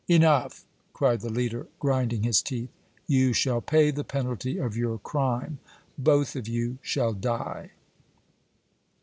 "Enough!" cried the leader, grinding his teeth. "You shall pay the penalty of your crime! Both of you shall die!"